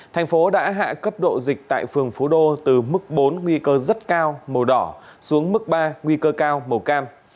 thành phố đã hạ cấp độ dịch tại phường phú đô từ mức bốn nguy cơ rất cao màu đỏ xuống mức ba nguy cơ cao màu cam